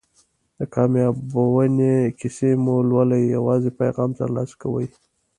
د کامیابیونې کیسې مه لولئ یوازې پیغام ترلاسه کوئ.